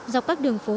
do các đường phố